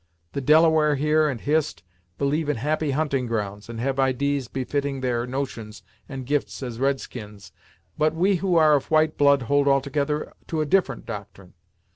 The Delaware, here, and Hist, believe in happy hunting grounds, and have idees befitting their notions and gifts as red skins, but we who are of white blood hold altogether to a different doctrine.